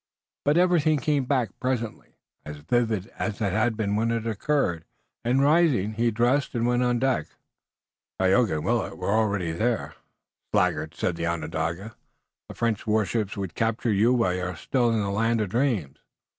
But everything came back presently, as vivid as it had been when it occurred, and rising he dressed and went on deck. Tayoga and Willet were already there. "Sluggard," said the Onondaga. "The French warships would capture you while you are still in the land of dreams."